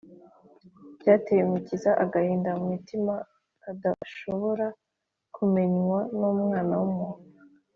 byateye umukiza agahinda mu mutima kadashobora kumenywa n’umwana w’umuntu